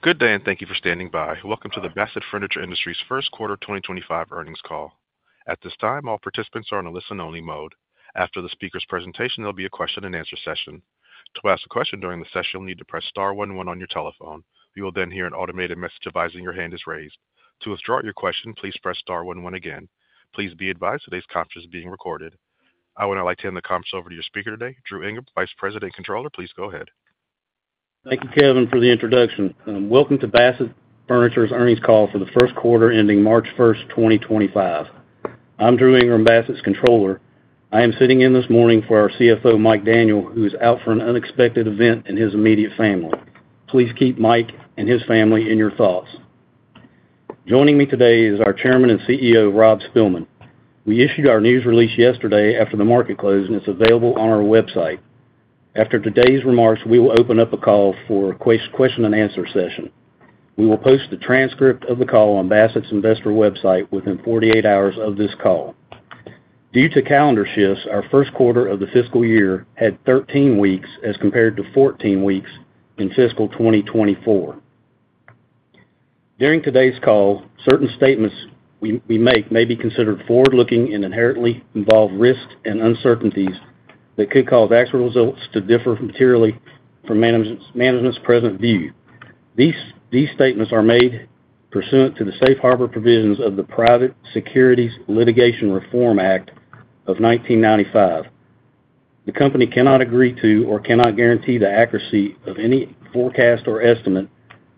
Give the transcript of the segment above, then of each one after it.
Good day, and thank you for standing by. Welcome to the Bassett Furniture Industries' Q1 2025 Earnings Call. At this time, all participants are on a listen-only mode. After the speaker's presentation, there'll be a Q&A session. To ask a question during the session, you'll need to press star one one on your telephone. You will then hear an automated message advising your hand is raised. To withdraw your question, please press star one one again. Please be advised today's conference is being recorded. I would now like to hand the conference over to your speaker today, Dru Ingram, Vice President and Controller. Please go ahead. Thank you, Kevin, for the introduction. Welcome to Bassett Furniture's Earnings Call for the Q1 ending March 1, 2025. I'm Dru Ingram, Bassett's Controller. I am sitting in this morning for our CFO, Mike Daniel, who is out for an unexpected event in his immediate family. Please keep Mike and his family in your thoughts. Joining me today is our Chairman and CEO, Rob Spilman. We issued our news release yesterday after the market closed, and it's available on our website. After today's remarks, we will open up the call for a question-and-answer session. We will post the transcript of the call on Bassett's investor website within 48 hours of this call. Due to calendar shifts, our Q1 of the fiscal year had 13 weeks as compared to 14 weeks in fiscal 2024. During today's call, certain statements we make may be considered forward-looking and inherently involve risks and uncertainties that could cause actual results to differ materially from management's present view. These statements are made pursuant to the safe harbor provisions of the Private Securities Litigation Reform Act of 1995. The company cannot agree to or cannot guarantee the accuracy of any forecast or estimate,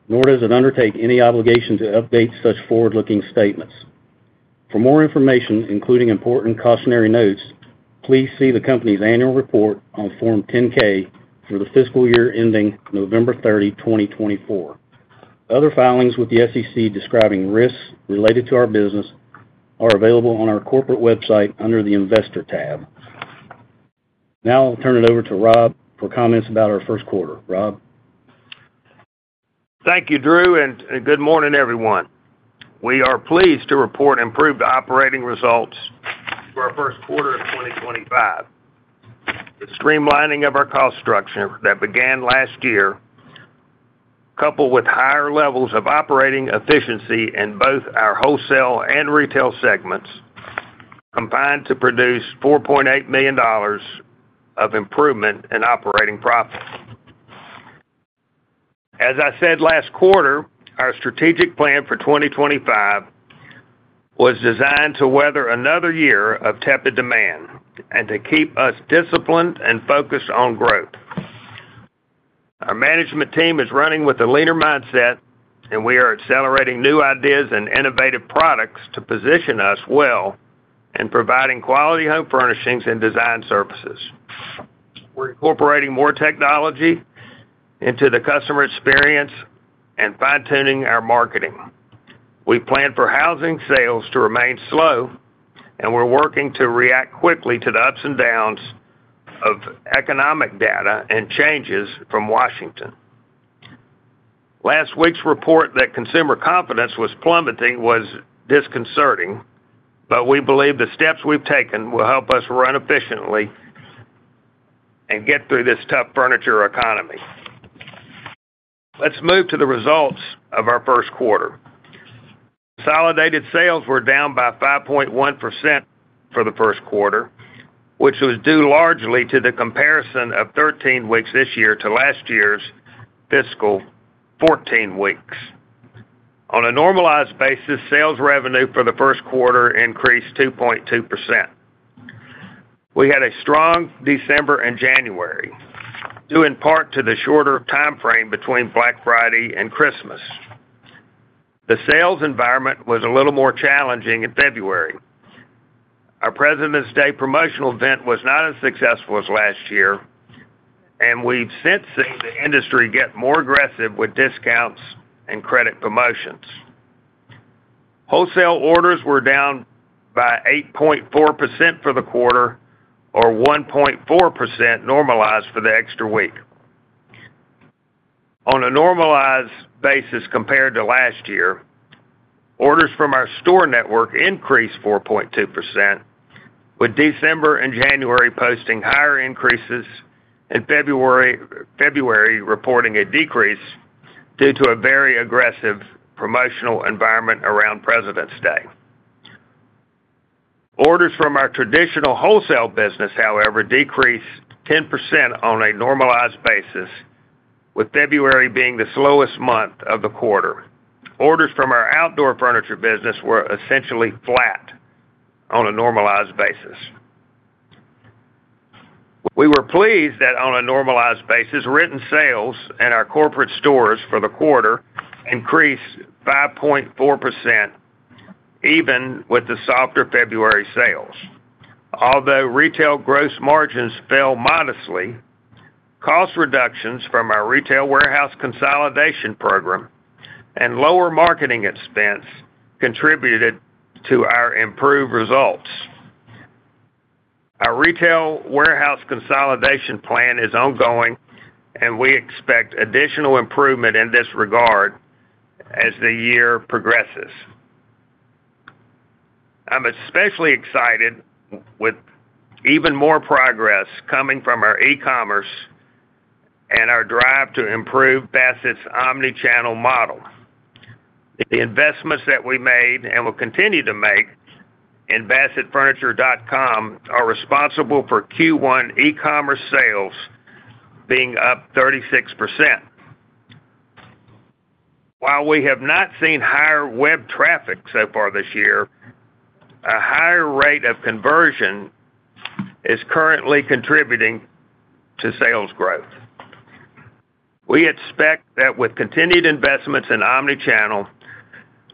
nor does it undertake any obligation to update such forward-looking statements. For more information, including important cautionary notes, please see the company's annual report on Form 10-K for the fiscal year ending November 30, 2024. Other filings with the SEC describing risks related to our business are available on our corporate website under the Investor tab. Now I'll turn it over to Rob for comments about our Q1. Rob? Thank you, Dru, and good morning, everyone. We are pleased to report improved operating results for our Q1 of 2025. The streamlining of our cost structure that began last year, coupled with higher levels of operating efficiency in both our wholesale and retail segments, combined to produce $4.8 million of improvement in operating profit. As I said last quarter, our strategic plan for 2025 was designed to weather another year of tepid demand and to keep us disciplined and focused on growth. Our management team is running with a leaner mindset, and we are accelerating new ideas and innovative products to position us well in providing quality home furnishings and design services. We're incorporating more technology into the customer experience and fine-tuning our marketing. We plan for housing sales to remain slow, and we're working to react quickly to the ups and downs of economic data and changes from Washington. Last week's report that consumer confidence was plummeting was disconcerting, but we believe the steps we've taken will help us run efficiently and get through this tough furniture economy. Let's move to the results of our Q1. Consolidated sales were down by 5.1% for the Q1, which was due largely to the comparison of 13 weeks this year to last year's fiscal 14 weeks. On a normalized basis, sales revenue for the Q1 increased 2.2%. We had a strong December and January, due in part to the shorter time frame between Black Friday and Christmas. The sales environment was a little more challenging in February. Our Presidents' Day promotional event was not as successful as last year, and we've since seen the industry get more aggressive with discounts and credit promotions. Wholesale orders were down by 8.4% for the quarter, or 1.4% normalized for the extra week. On a normalized basis compared to last year, orders from our store network increased 4.2%, with December and January posting higher increases and February reporting a decrease due to a very aggressive promotional environment around Presidents' Day. Orders from our traditional wholesale business, however, decreased 10% on a normalized basis, with February being the slowest month of the quarter. Orders from our outdoor furniture business were essentially flat on a normalized basis. We were pleased that on a normalized basis, written sales in our corporate stores for the quarter increased 5.4%, even with the softer February sales. Although retail gross margins fell modestly, cost reductions from our retail warehouse consolidation program and lower marketing expense contributed to our improved results. Our retail warehouse consolidation plan is ongoing, and we expect additional improvement in this regard as the year progresses. I'm especially excited with even more progress coming from our e-commerce and our drive to improve Bassett's omnichannel model. The investments that we made and will continue to make in BassettFurniture.com are responsible for Q1 e-commerce sales being up 36%. While we have not seen higher web traffic so far this year, a higher rate of conversion is currently contributing to sales growth. We expect that with continued investments in omnichannel,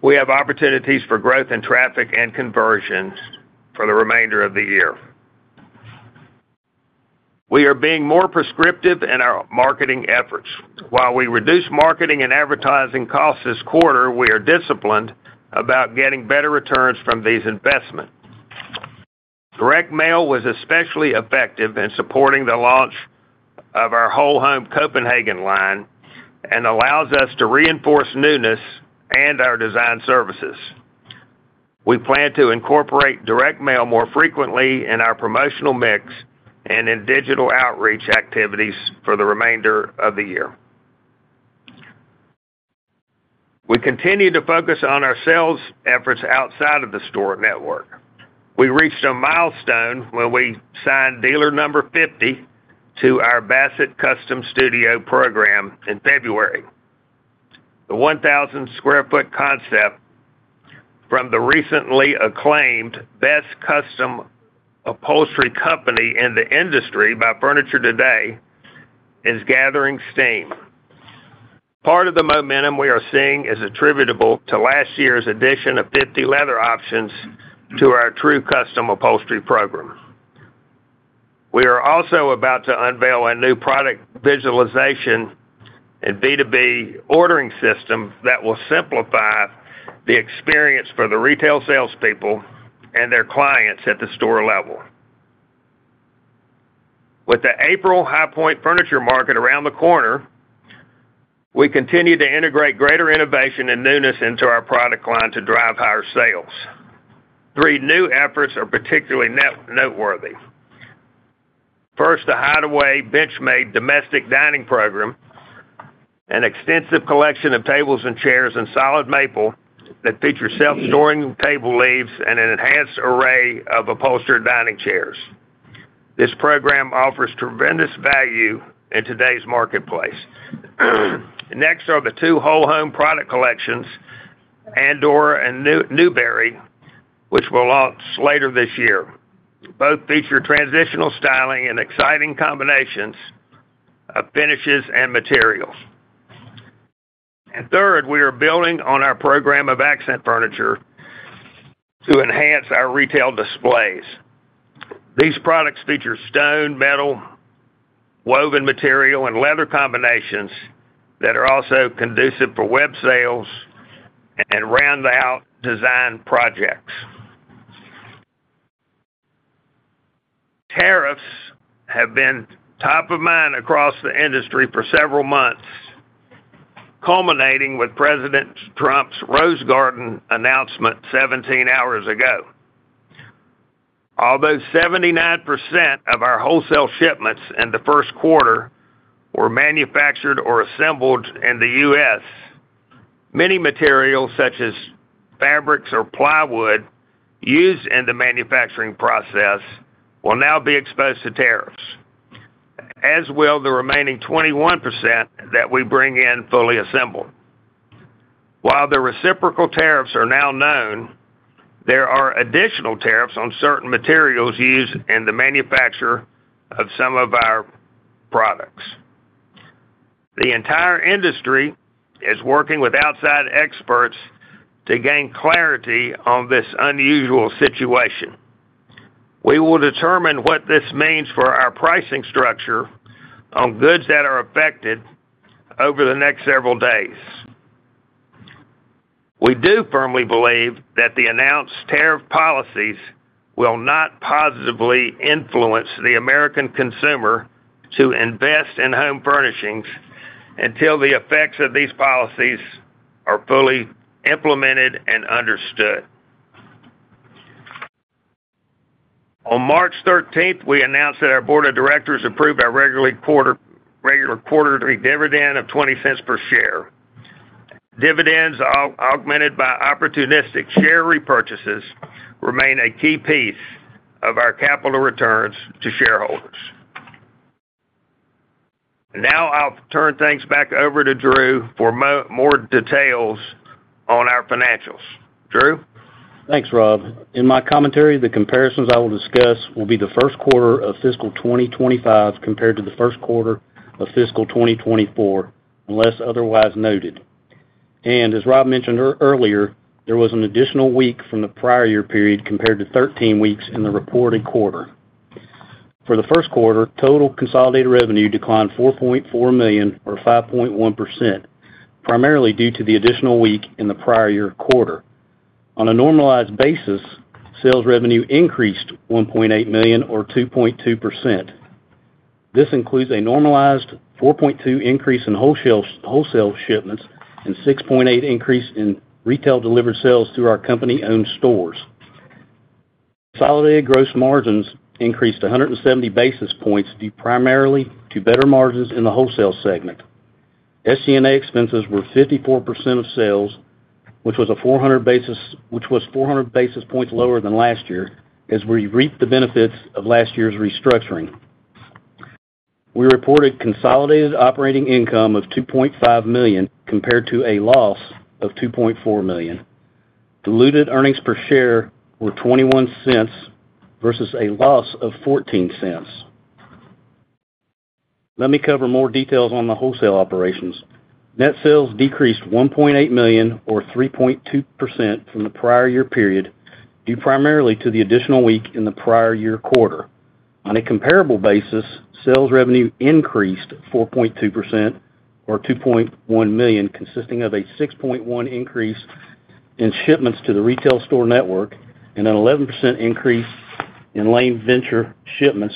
we have opportunities for growth in traffic and conversion for the remainder of the year. We are being more prescriptive in our marketing efforts. While we reduce marketing and advertising costs this quarter, we are disciplined about getting better returns from these investments. Direct mail was especially effective in supporting the launch of our Whole Home Copenhagen line and allows us to reinforce newness and our design services. We plan to incorporate direct mail more frequently in our promotional mix and in digital outreach activities for the remainder of the year. We continue to focus on our sales efforts outside of the store network. We reached a milestone when we signed dealer number 50 to our Bassett Custom Studio program in February. The 1,000 square feet concept from the recently acclaimed best custom upholstery company in the industry by Furniture Today is gathering steam. Part of the momentum we are seeing is attributable to last year's addition of 50 leather options to our True Custom Upholstery program. We are also about to unveil a new product visualization and B2B ordering system that will simplify the experience for the retail salespeople and their clients at the store level. With the April High Point Furniture Market around the corner, we continue to integrate greater innovation and newness into our product line to drive higher sales. Three new efforts are particularly noteworthy. First, the Hideaway BenchMade domestic dining program, an extensive collection of tables and chairs in solid maple that features self-storing table leaves and an enhanced array of upholstered dining chairs. This program offers tremendous value in today's marketplace. Next are the two Whole Home product collections, Andor and Newbury, which will launch later this year. Both feature transitional styling and exciting combinations of finishes and materials. Third, we are building on our program of accent furniture to enhance our retail displays. These products feature stone, metal, woven material, and leather combinations that are also conducive for web sales and round-out design projects. Tariffs have been top of mind across the industry for several months, culminating with President Trump's Rose Garden announcement 17 hours ago. Although 79% of our wholesale shipments in the Q1 were manufactured or assembled in the U.S., many materials such as fabrics or plywood used in the manufacturing process will now be exposed to tariffs, as will the remaining 21% that we bring in fully assembled. While the reciprocal tariffs are now known, there are additional tariffs on certain materials used in the manufacture of some of our products. The entire industry is working with outside experts to gain clarity on this unusual situation. We will determine what this means for our pricing structure on goods that are affected over the next several days. We do firmly believe that the announced tariff policies will not positively influence the American consumer to invest in home furnishings until the effects of these policies are fully implemented and understood. On March 13th, we announced that our Board of Directors approved our regular quarterly dividend of $0.20 per share. Dividends augmented by opportunistic share repurchases remain a key piece of our capital returns to shareholders. Now I'll turn things back over to Dru for more details on our financials. Dru? Thanks, Rob. In my commentary, the comparisons I will discuss will be the Q1 of fiscal 2025 compared to the Q1 of fiscal 2024, unless otherwise noted. As Rob mentioned earlier, there was an additional week from the prior year period compared to 13 weeks in the reported quarter. For the Q1, total consolidated revenue declined $4.4 million, or 5.1%, primarily due to the additional week in the prior year quarter. On a normalized basis, sales revenue increased $1.8 million, or 2.2%. This includes a normalized 4.2% increase in wholesale shipments and a 6.8% increase in retail delivered sales through our company-owned stores. Consolidated gross margins increased 170 basis points due primarily to better margins in the wholesale segment. SG&A expenses were 54% of sales, which was 400 basis points lower than last year as we reaped the benefits of last year's restructuring. We reported consolidated operating income of $2.5 million compared to a loss of $2.4 million. Diluted earnings per share were $0.21 versus a loss of $0.14. Let me cover more details on the wholesale operations. Net sales decreased $1.8 million, or 3.2%, from the prior year period due primarily to the additional week in the prior year quarter. On a comparable basis, sales revenue increased 4.2%, or $2.1 million, consisting of a 6.1% increase in shipments to the retail store network and an 11% increase in Lane Venture shipments,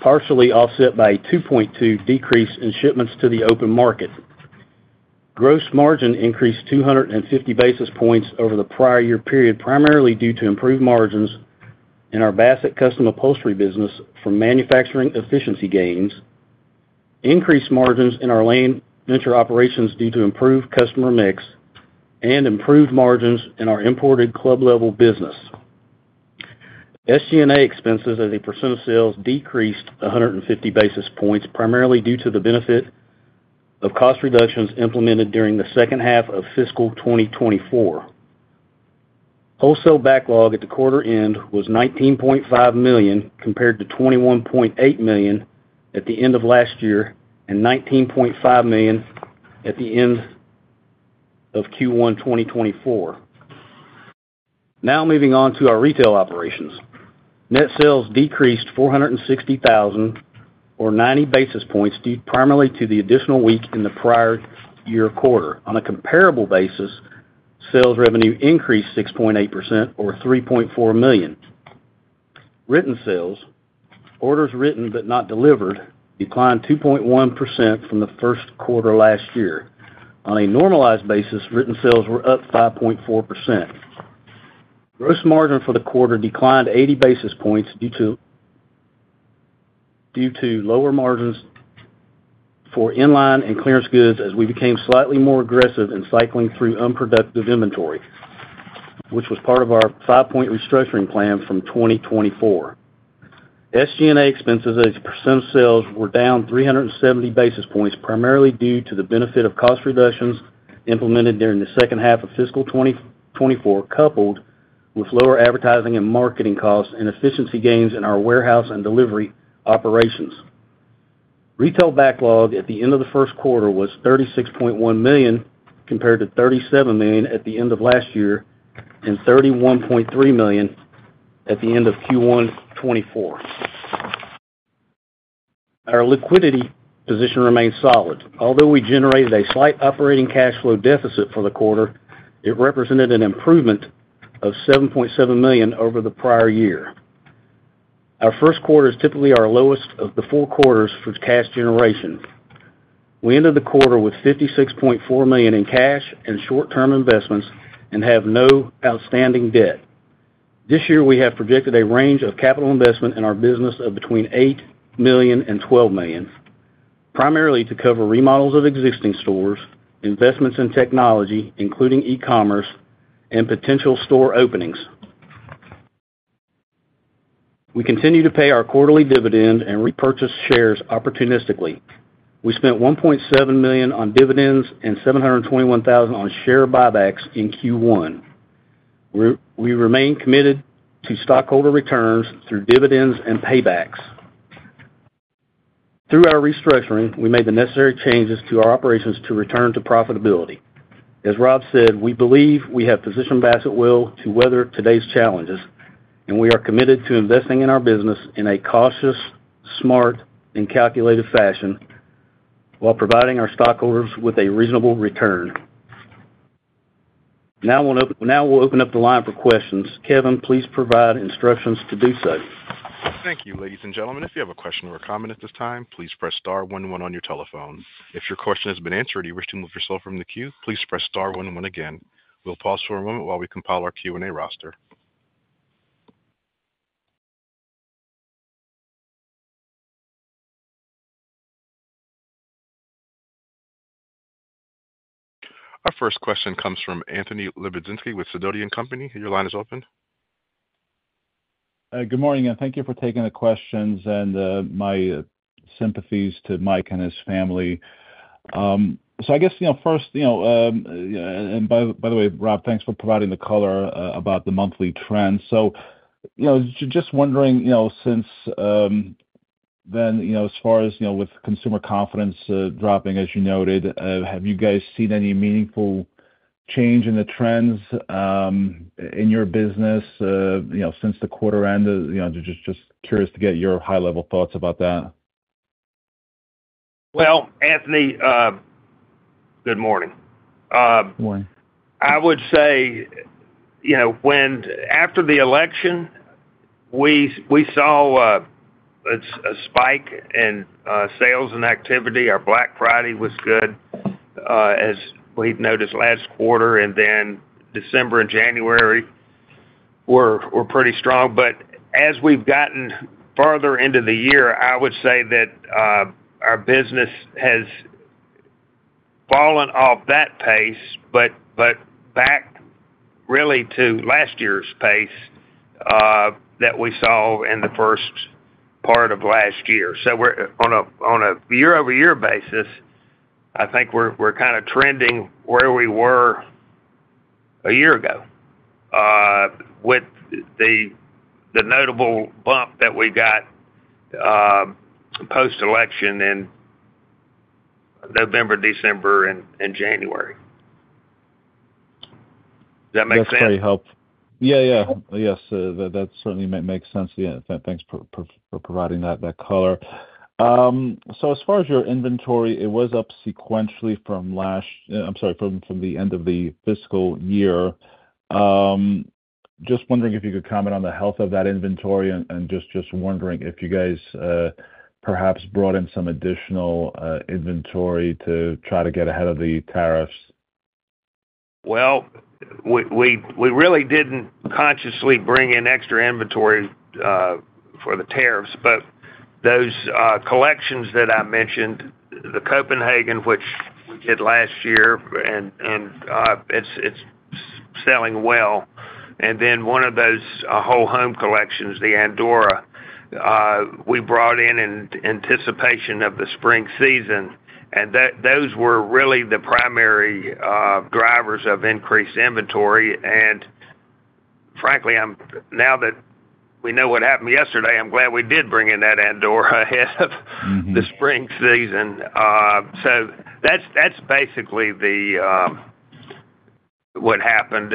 partially offset by a 2.2% decrease in shipments to the open market. Gross margin increased 250 basis points over the prior year period, primarily due to improved margins in our Bassett Custom Upholstery business from manufacturing efficiency gains, increased margins in our Lane Venture operations due to improved customer mix, and improved margins in our imported Club Level business. SG&A expenses as a percent of sales decreased 150 basis points, primarily due to the benefit of cost reductions implemented during the second half of fiscal 2024. Wholesale backlog at the quarter end was $19.5 million compared to $21.8 million at the end of last year and $19.5 million at the end of Q1 2024. Now moving on to our retail operations. Net sales decreased $460,000, or 90 basis points, due primarily to the additional week in the prior year quarter. On a comparable basis, sales revenue increased 6.8%, or $3.4 million. Written sales, orders written but not delivered, declined 2.1% from the Q1 last year. On a normalized basis, written sales were up 5.4%. Gross margin for the quarter declined 80 basis points due to lower margins for inline and clearance goods as we became slightly more aggressive in cycling through unproductive inventory, which was part of our five-point restructuring plan from 2024. SG&A expenses as a percent of sales were down 370 basis points, primarily due to the benefit of cost reductions implemented during the second half of fiscal 2024, coupled with lower advertising and marketing costs and efficiency gains in our warehouse and delivery operations. Retail backlog at the end of the Q1 was $36.1 million compared to $37 million at the end of last year and $31.3 million at the end of Q1 2024. Our liquidity position remained solid. Although we generated a slight operating cash flow deficit for the quarter, it represented an improvement of $7.7 million over the prior year. Our Q1 is typically our lowest of the four quarters for cash generation. We ended the quarter with $56.4 million in cash and short-term investments and have no outstanding debt. This year, we have projected a range of capital investment in our business of between $8 million and $12 million, primarily to cover remodels of existing stores, investments in technology, including e-commerce, and potential store openings. We continue to pay our quarterly dividend and repurchase shares opportunistically. We spent $1.7 million on dividends and $721,000 on share buybacks in Q1. We remain committed to stockholder returns through dividends and paybacks. Through our restructuring, we made the necessary changes to our operations to return to profitability. As Rob said, we believe we have positioned Bassett well to weather today's challenges, and we are committed to investing in our business in a cautious, smart, and calculated fashion while providing our stockholders with a reasonable return. Now we'll open up the line for questions. Kevin, please provide instructions to do so. Thank you, ladies and gentlemen. If you have a question or a comment at this time, please press star one one on your telephone. If your question has been answered and you wish to move yourself from the queue, please press star one one again. We'll pause for a moment while we compile our Q&A roster. Our first question comes from Anthony Lebiedzinski with Sidoti & Company. Your line is open. Good morning, and thank you for taking the questions and my sympathies to Mike and his family. I guess, first, and by the way, Rob, thanks for providing the color about the monthly trends. Just wondering, since then, as far as with consumer confidence dropping, as you noted, have you guys seen any meaningful change in the trends in your business since the quarter ended? Just curious to get your high-level thoughts about that. Anthony, good morning. Good morning. I would say after the election, we saw a spike in sales and activity. Our Black Friday was good, as we've noticed last quarter, and then December and January were pretty strong. As we've gotten farther into the year, I would say that our business has fallen off that pace, but back really to last year's pace that we saw in the first part of last year. On a year-over-year basis, we're kind of trending where we were a year ago with the notable bump that we got post-election in November, December, and January. Does that make sense? That's pretty helpful. Yeah, yeah. Yes, that certainly makes sense. Thanks for providing that color. As far as your inventory, it was up sequentially from last—I’m sorry, from the end of the fiscal year. Just wondering if you could comment on the health of that inventory and just wondering if you guys perhaps brought in some additional inventory to try to get ahead of the tariffs. We really did not consciously bring in extra inventory for the tariffs, but those collections that I mentioned, the Copenhagen, which we did last year, and it is selling well. One of those Whole Home collections, the Andor, we brought in in anticipation of the spring season. Those were really the primary drivers of increased inventory. Frankly, now that we know what happened yesterday, I am glad we did bring in that Andor ahead of the spring season. That is basically what happened.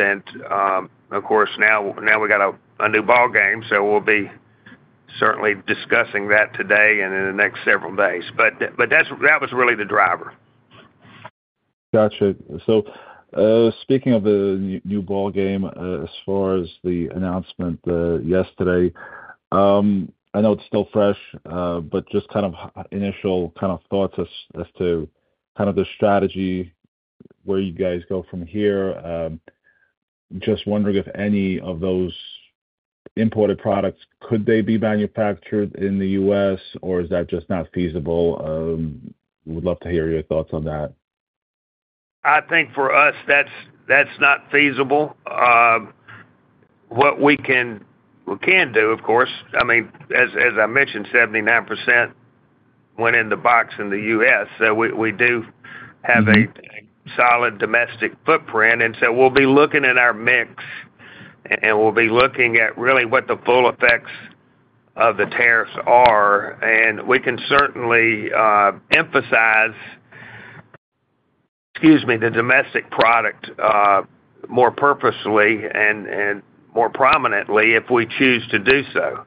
Of course, now we have a new ball game. We will be certainly discussing that today and in the next several days. That was really the driver. Gotcha. Speaking of the new ball game, as far as the announcement yesterday, I know it's still fresh, but just kind of initial thoughts as to the strategy, where you guys go from here. Just wondering if any of those imported products, could they be manufactured in the U.S., or is that just not feasible? We'd love to hear your thoughts on that. I think for us, that's not feasible. What we can do, of course, as I mentioned, 79% went in the box in the U.S., so we do have a solid domestic footprint. We will be looking at our mix, and we will be looking at really what the full effects of the tariffs are. We can certainly emphasize, excuse me, the domestic product more purposefully and more prominently if we choose to do so.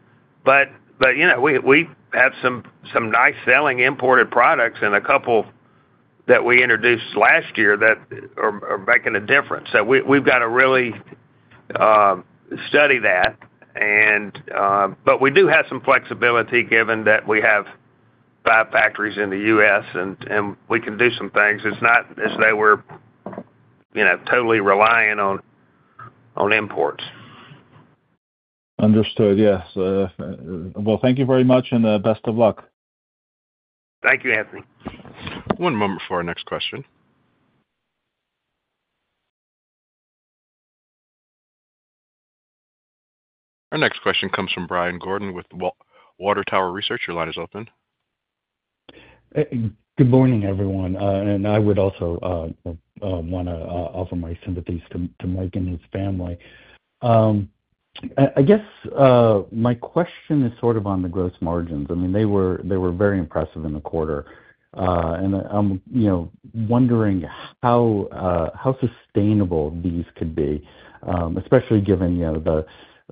We have some nice selling imported products and a couple that we introduced last year that are making a difference. We have to really study that. We do have some flexibility given that we have five factories in the U.S., and we can do some things. It is not as though we are totally relying on imports. Understood. Yes. Thank you very much, and best of luck. Thank you, Anthony. One moment for our next question. Our next question comes from Brian Gordon with Water Tower Research. Your line is open. Good morning, everyone. I would also want to offer my sympathies to Mike and his family. I guess my question is sort of on the gross margins. They were very impressive in the quarter. I am wondering how sustainable these could be, especially given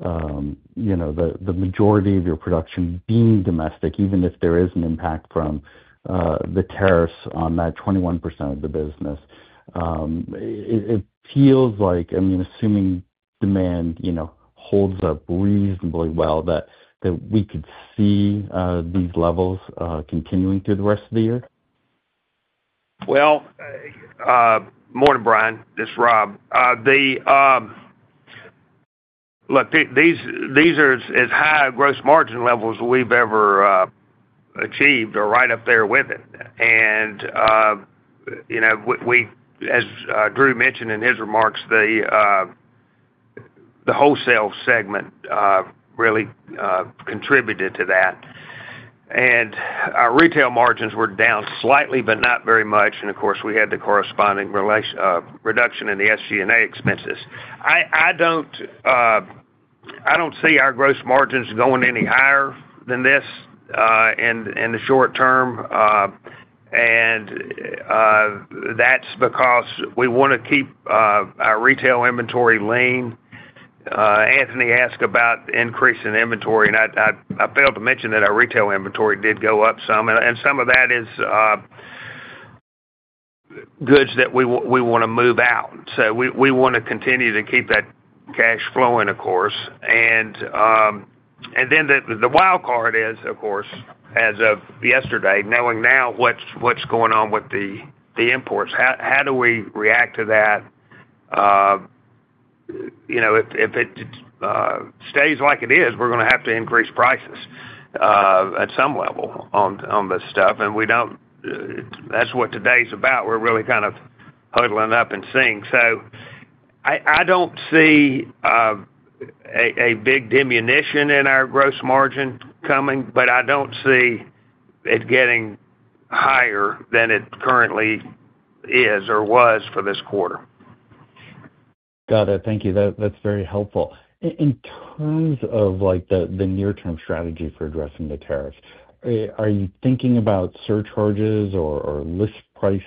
the majority of your production being domestic, even if there is an impact from the tariffs on that 21% of the business. It feels like assuming demand holds up reasonably well, that we could see these levels continuing through the rest of the year. Morning, Brian. This is Rob. Look, these are as high gross margin levels as we've ever achieved or right up there with it. As Dru mentioned in his remarks, the wholesale segment really contributed to that. Our retail margins were down slightly, but not very much. Of course, we had the corresponding reduction in the SG&A expenses. I do not see our gross margins going any higher than this in the short term. That is because we want to keep our retail inventory lean. Anthony asked about increasing inventory, and I failed to mention that our retail inventory did go up some. Some of that is goods that we want to move out. We want to continue to keep that cash flowing, of course. The wild card is, of course, as of yesterday, knowing now what's going on with the imports, how do we react to that? If it stays like it is, we're going to have to increase prices at some level on this stuff. That's what today's about. We're really kind of huddling up and seeing. I don't see a big diminution in our gross margin coming, but I don't see it getting higher than it currently is or was for this quarter. Got it. Thank you. That's very helpful. In terms of the near-term strategy for addressing the tariffs, are you thinking about surcharges or list price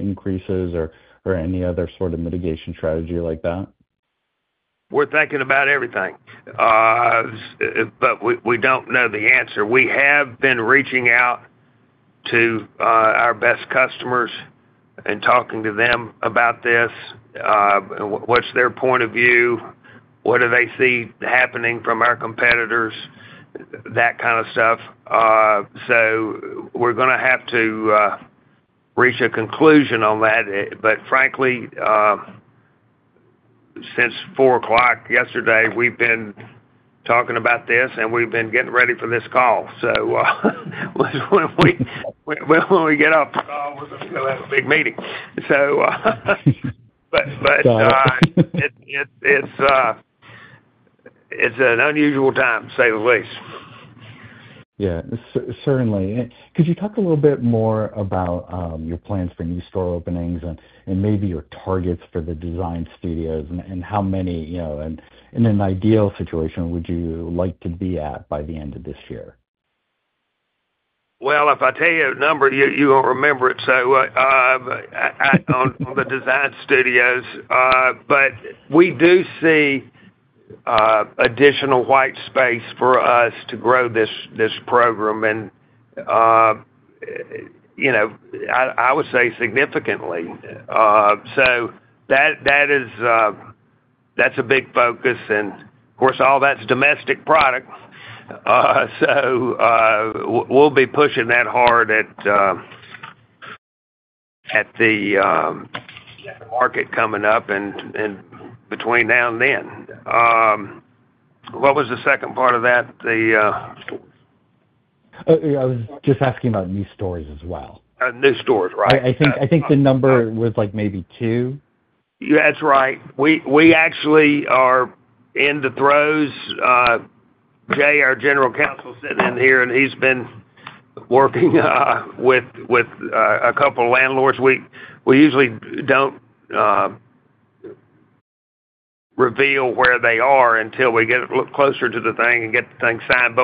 increases or any other sort of mitigation strategy like that? We're thinking about everything, but we don't know the answer. We have been reaching out to our best customers and talking to them about this. What's their point of view? What do they see happening from our competitors? That kind of stuff. We are going to have to reach a conclusion on that. Frankly, since 4:00 P.M. yesterday, we've been talking about this, and we've been getting ready for this call. When we get off the call, we're going to have a big meeting. It is an unusual time, to say the least. Yeah. Certainly. Could you talk a little bit more about your plans for new store openings and maybe your targets for the design studios and how many in an ideal situation would you like to be at by the end of this year? If I tell you a number, you won't remember it so well on the design studios. We do see additional white space for us to grow this program, and I would say significantly. That is a big focus. Of course, all that is domestic product. We will be pushing that hard at the market coming up and between now and then. What was the second part of that? I was just asking about new stores as well. New stores, right? I think the number was like maybe two. That's right. We actually are in the throes. Jay, our General Counsel, is sitting in here, and he's been working with a couple of landlords. We usually don't reveal where they are until we get a little closer to the thing and get the thing signed.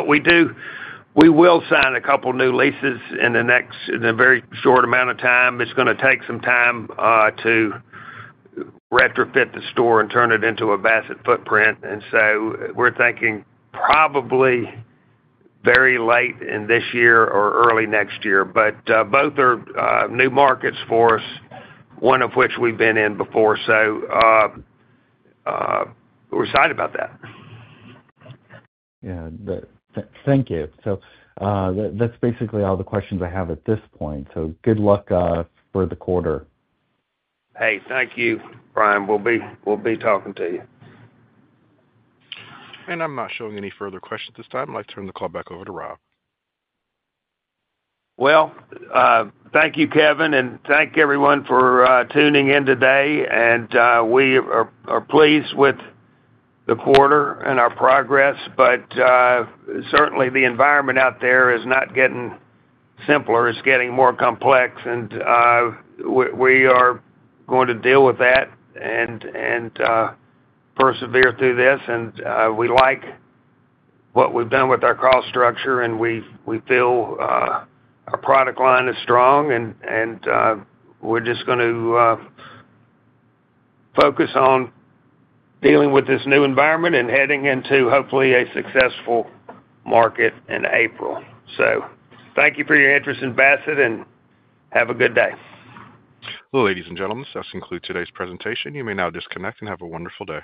We will sign a couple of new leases in a very short amount of time. It's going to take some time to retrofit the store and turn it into a Bassett footprint. We are thinking probably very late in this year or early next year. Both are new markets for us, one of which we've been in before. We are excited about that. Yeah. Thank you. That is basically all the questions I have at this point. Good luck for the quarter. Hey, thank you, Brian. We'll be talking to you. I'm not showing any further questions at this time. I'd like to turn the call back over to Rob. Thank you, Kevin, and thank everyone for tuning in today. We are pleased with the quarter and our progress. Certainly, the environment out there is not getting simpler. It is getting more complex. We are going to deal with that and persevere through this. We like what we have done with our cost structure, and we feel our product line is strong. We are just going to focus on dealing with this new environment and heading into, hopefully, a successful market in April. Thank you for your interest in Bassett, and have a good day. Ladies and gentlemen, that concludes today's presentation. You may now disconnect and have a wonderful day.